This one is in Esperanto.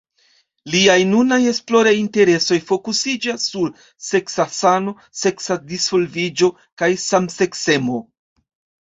Liaj nunaj esploraj interesoj fokusiĝas sur seksa sano, seksa disvolviĝo kaj samseksemo.